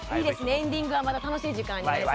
エンディングはまた楽しい時間になりそう。